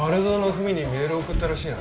ふみにメールを送ったらしいな